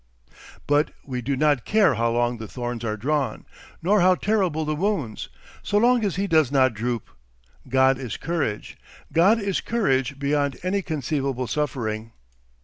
... But we do not care how long the thorns are drawn, nor how terrible the wounds, so long as he does not droop. God is courage. God is courage beyond any conceivable suffering.